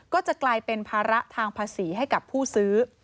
ก็จะกลายเป็นภาระทางภาษีให้กับผู้ซื้อ